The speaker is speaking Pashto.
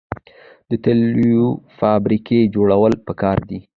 د تیلو فابریکې جوړول پکار دي.